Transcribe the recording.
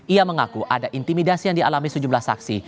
ia mengaku ada intimidasi yang dialami sejumlah saksi